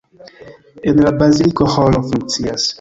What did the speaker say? En la baziliko ĥoro funkcias.